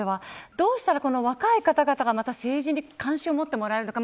どうしたら若い方々がまた政治に関心を持つのか。